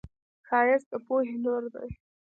ښایست د پوهې نور دی